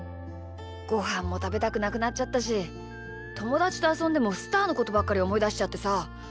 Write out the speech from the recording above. ごはんもたべたくなくなっちゃったしともだちとあそんでもスターのことばっかりおもいだしちゃってさ。